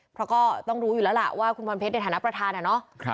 เพราะก็ต้องรู้อยู่แล้วล่ะว่าคุณพรเพชรในฐานะประธานอะเนาะ